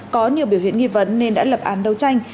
có nhiều biểu hiện nghi vấn nên đã lập án đấu tranh